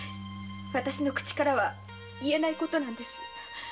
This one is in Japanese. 私の口から言えないことなんです。